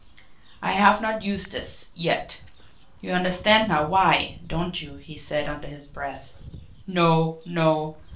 "I have not used this yet. You understand now why don't you?" he said under his breath. "No, no!"